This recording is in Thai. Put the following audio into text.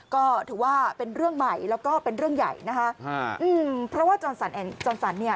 ก็ถือว่าเป็นเรื่องใหม่แล้วก็เป็นเรื่องใหญ่นะคะอืมเพราะว่าจรสันเนี่ย